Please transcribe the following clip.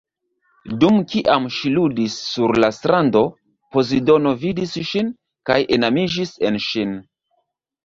Dum kiam ŝi ludis sur la strando, Pozidono vidis ŝin, kaj enamiĝis en ŝin.